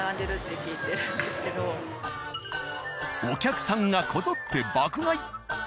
お客さんがこぞって爆買い。